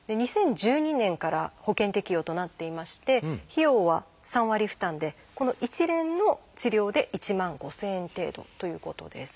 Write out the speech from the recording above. ２０１２年から保険適用となっていまして費用は３割負担でこの一連の治療で１万５，０００円程度ということです。